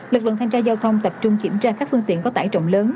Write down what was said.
lực lượng thanh tra giao thông tập trung kiểm tra các phương tiện có tải trọng lớn